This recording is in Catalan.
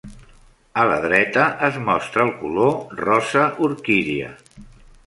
A la dreta es mostra el color rosa orquídia.